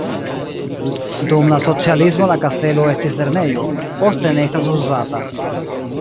Dum la socialismo la kastelo estis lernejo, poste ne estas uzata.